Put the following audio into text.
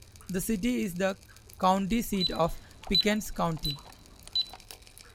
The city is the county seat of Pickens County.